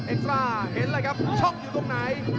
ซ่าเห็นเลยครับช่องอยู่ตรงไหน